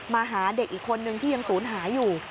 หาเด็กอีกคนนึงที่ยังศูนย์หายอยู่